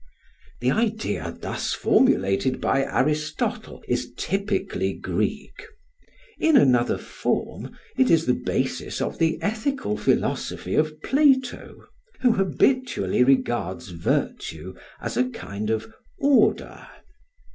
The idea thus formulated by Aristotle is typically Greek. In another form it is the basis of the ethical philosophy of Plato, who habitually regards virtue as a kind of "order."